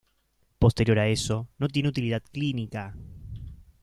Posterior a eso, no tiene utilidad clínica.